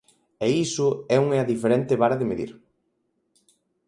E iso é unha diferente vara de medir.